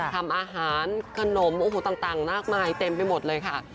ทำอาหารขนมโอ้โหต่างมากมายเต็มไปหมดเลยค่ะ